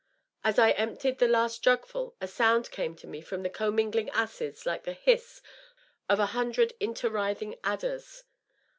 As I emptied the last jugful a sound came to me from the commingling acids like the hiss of a hundred inter writhinff adders.